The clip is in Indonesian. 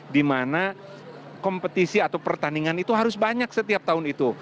dimana kompetisi atau pertandingan itu harus banyak setiap tahun itu